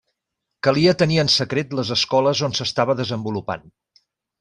Calia tenir en secret les escoles on s'estava desenvolupant.